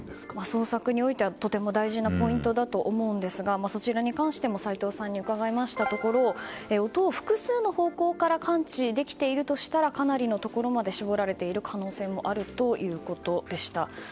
捜索においてはとても大事なポイントだと思うんですがそちらも斎藤さんに伺うと音を複数の方向から感知できているとしたらかなりのところまで絞られている可能性もあるということでした。